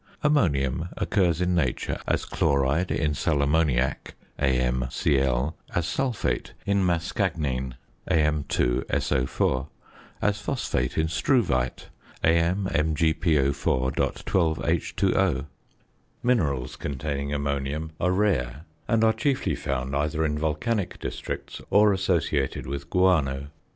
Ammonium occurs in nature as chloride in sal ammoniac (AmCl), as sulphate in mascagnine (Am_SO_), as phosphate in struvite (AmMgPO_.12H_O). Minerals containing ammonium are rare, and are chiefly found either in volcanic districts or associated with guano.